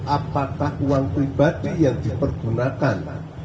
apakah uang pribadi yang dipergunakan